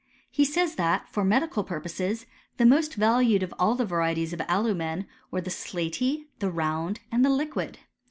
He says that, for medical purposes, the most valued of all the varieties of alumen were the slaty, the round, and the liquid.